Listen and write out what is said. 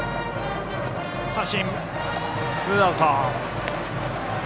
ツーアウト。